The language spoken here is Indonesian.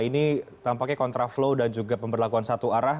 ini tampaknya kontraflow dan juga pemberlakuan satu arah